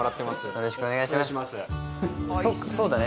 よろしくお願いしますそうだね